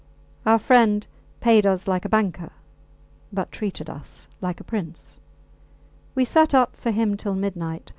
Our friend paid us like a banker, but treated us like a prince. We sat up for him till midnight.